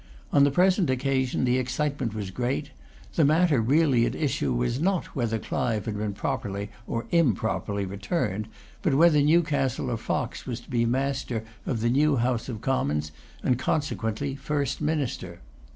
On the present occasion the excitement was great. The matter really at issue was, not whether Clive had been properly or improperly returned, but whether Newcastle or Fox was to be master of the new House of Commons, and consequently first minister.